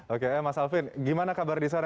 oke mas alvin gimana kabar di sana